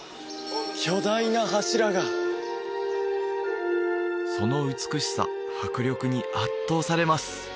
巨大な柱がその美しさ迫力に圧倒されます